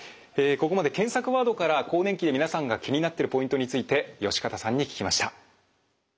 ここまで検索ワードから更年期で皆さんが気になってるポイントについて善方さんに聞きました。